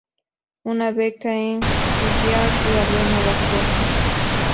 Una beca en Juilliard le abrió nuevas puertas.